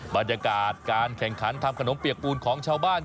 บรรยากาศการแข่งขันทำขนมเปียกปูนของชาวบ้าน